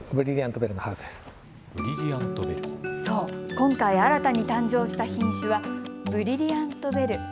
今回、新たに誕生した品種はブリリアント・ベル。